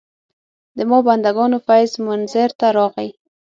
د ما بندګانو فیض منظر ته راغی.